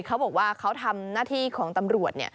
เขาบอกว่าเขาทำหน้าที่ของตำรวจ